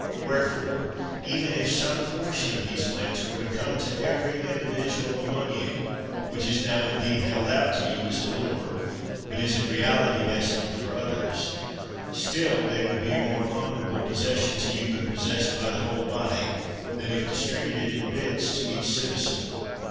Where fore, even if some portion of these lands were to come to every individual among you — ^which is now indeed held out to you as a lure, but is in reality destined for others — still they would be a more honorable possession to you when pos sessed by the whole body, than if distributed in bits to each citizen.